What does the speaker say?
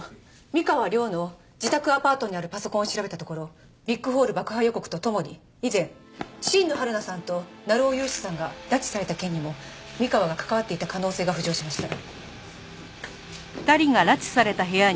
三河亮の自宅アパートにあるパソコンを調べたところビッグホール爆破予告と共に以前新野はるなさんと鳴尾勇志さんが拉致された件にも三河が関わっていた可能性が浮上しました。